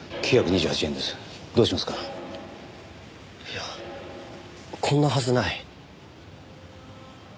いやこんなはずない。